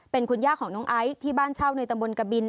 เป็นคุณย่าของน้องไอซ์ที่บ้านเช่าในตำบลกบิน